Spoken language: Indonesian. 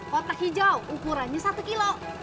kotak hijau ukurannya satu kilo